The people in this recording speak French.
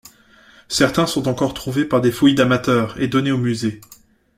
Certains sont encore trouvés par des fouilles d'amateurs et donnés au musée.